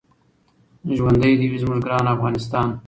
ژوندی دې وي زموږ ګران افغانستان.